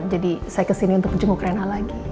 jadi saya ke sini untuk jemuk rena lagi